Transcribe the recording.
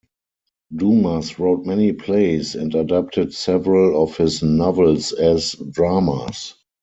Dumas wrote many plays and adapted several of his novels as dramas.